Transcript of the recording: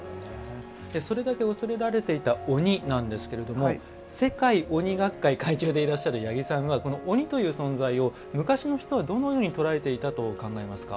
それだけ恐れられていた鬼なんですけども世界鬼学会会長でいらっしゃる八木さんは、鬼という存在を昔の人は、どのように捉えていたと考えますか？